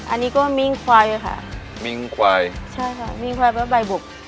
อันนี้ก็มิ้งควายค่ะมิ้งควายใช่ค่ะมิ้งควายเป็นใบบุก